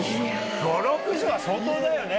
５０６０は相当だよね。